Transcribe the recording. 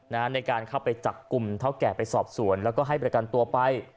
ในการเข้าไปจับกลุ่มเท่าแก่ไปสอบสวนแล้วก็ให้ประกันตัวไป